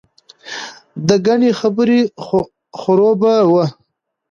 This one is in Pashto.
دګنې خبره خروبه وه.